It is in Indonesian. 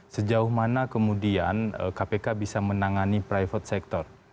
sejauh mana kemudian kpk bisa menangani private sector